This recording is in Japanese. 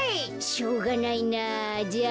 しょうがないなあ。